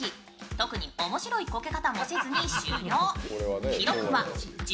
特に面白いコケ方もせずに終了。